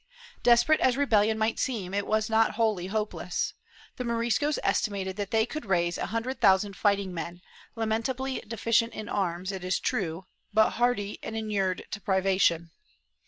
Desperate as rebellion might seem, it was not wholly hopeless. The Moriscos estimated that they could raise a hundred thousand fighting men, lamentably deficient in arms, it is true, but hardy and enured to privation.